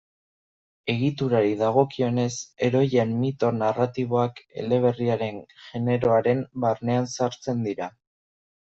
Egiturari dagokionez, heroien mito narratiboak, eleberriaren generoaren barnean sartzen dira.